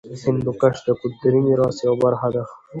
هندوکش د کلتوري میراث یوه برخه ده.